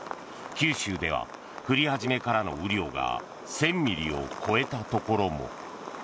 九州では、降り始めからの雨量が１０００ミリを超えたところも。